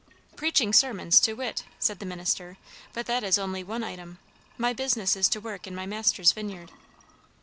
"Preaching sermons, to wit!" said the minister. "But that is only one item. My business is to work in my Master's vineyard."